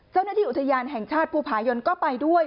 เจ้าหน้าที่อุทยานแห่งชาติภูผายนก็ไปด้วย